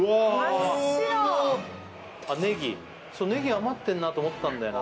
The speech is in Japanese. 余ってるなと思ったんだよな。